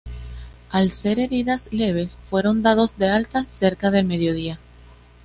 Al ser heridas leves fueron dados de alta cerca del mediodía.